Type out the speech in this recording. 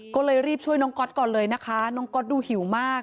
ก็เลยรีบช่วยน้องก๊อตก่อนเลยนะคะน้องก๊อตดูหิวมาก